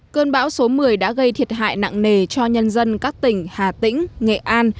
cơn bão số một mươi đã gây thiệt hại nặng nề cho nhân dân các tỉnh hà tĩnh nghệ an